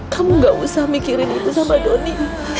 kamu nggak usah mikirin ibu sama donny